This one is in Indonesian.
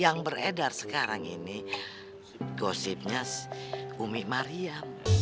yang beredar sekarang ini gosipnya umi maria